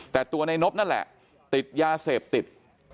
แต่ตัวในนบนั่นแหละติดยาเสพติด